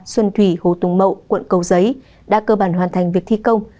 xuân thủy hồ tùng mậu quận cầu giấy đã cơ bản hoàn thành việc thi công